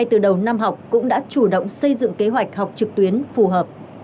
từ đầu năm học cũng đã chủ động xây dựng kế hoạch học trực tuyến phù hợp